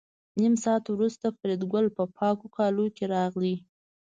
نیم ساعت وروسته فریدګل په پاکو کالو کې راغی